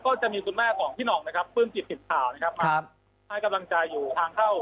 ก็จะมีคุณแม่ของพี่หน่องนะครับปลื้มจิตติดข่าวนะครับมาให้กำลังใจอยู่ทางเข้า